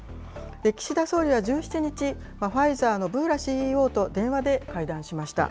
岸田総理は１７日、ファイザーのブーラＣＥＯと電話で会談しました。